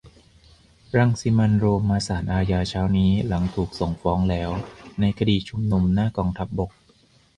รังสิมันต์ โรม มาศาลอาญาเช้านี้หลังถูกส่งฟ้องแล้วในคดีชุมนุมหน้ากองทัพบก